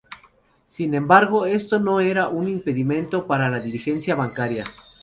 Sin embargo esto no era un impedimento para la dirigencia bancaria.